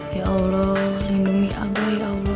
ya allah lindungi abah ya ono